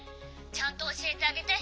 ちゃんとおしえてあげて」。